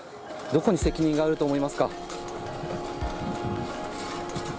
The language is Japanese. どこに責任があると思いますか？